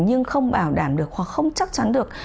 nhưng không bảo đảm được hoặc không chắc chắn được